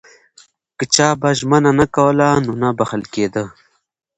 که چا به ژمنه نه کوله نو نه بخښل کېده.